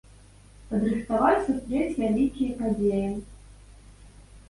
Падрыхтаваўся стрэць вялікія падзеі.